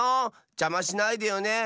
じゃましないでよね！